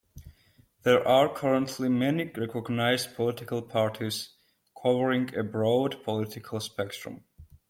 There are currently many recognized political parties covering a broad political spectrum.